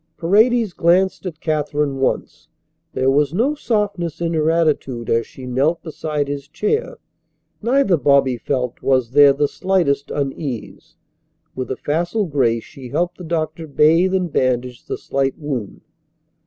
Paredes glanced at Katherine once. There was no softness in her attitude as she knelt beside his chair. Neither, Bobby felt, was there the slightest uneasiness. With a facile grace she helped the doctor bathe and bandage the slight wound.